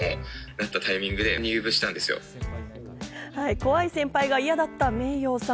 怖い先輩が嫌だったｍｅｉｙｏさん。